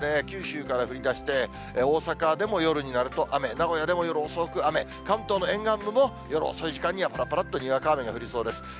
九州から降りだして、大阪でも夜になると雨、名古屋でも夜遅く雨、関東の沿岸部も夜遅い時間にはぱらぱらっとにわか雨が降りそうです。